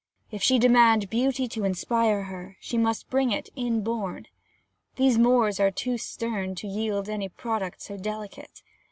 If she demand beauty to inspire her, she must bring it inborn: these moors are too stern to yield any product so delicate.